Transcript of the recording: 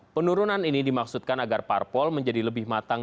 penurunan ini dimaksudkan agar parpol menjadi lebih matang